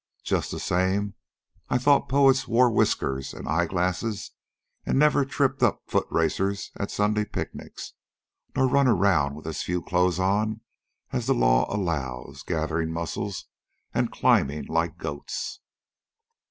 Just the same I thought poets wore whiskers and eyeglasses, an' never tripped up foot racers at Sunday picnics, nor run around with as few clothes on as the law allows, gatherin' mussels an' climbin' like goats."